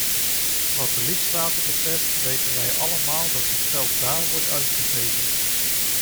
Wat de lidstaten betreft, weten wij allemaal dat het geld dáár wordt uitgegeven.